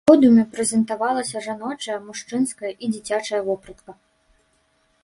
На подыуме прэзентавалася жаночая, мужчынская і дзіцячая вопратка.